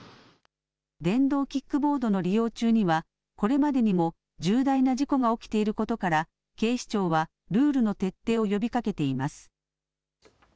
電動キックボードの利用中にはこれまでにも重大な事故が起きていることから警視庁はルールの徹底を呼びかけています。